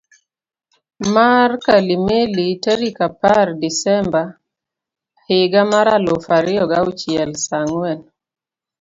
mar Kalimeli tarik apar desemba ahiga mar aluf ariyo gi auchiel sa ang'wen